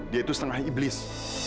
dia itu setengah iblis